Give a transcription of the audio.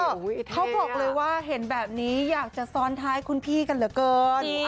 เขาบอกเลยว่าเห็นแบบนี้อยากจะซ้อนท้ายคุณพี่กันเหลือเกิน